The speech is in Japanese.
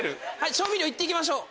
調味料言っていきましょう。